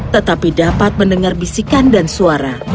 tetapi dapat mendengar bisikan dan suara